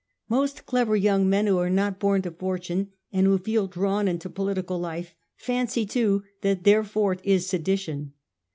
Most clever young men who are not born to fortune, and who feel drawn into political life, fancy too that their forte is sedition.